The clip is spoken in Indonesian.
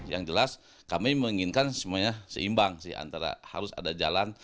yang jelas kami menginginkan semuanya seimbang sih antara harus ada jalan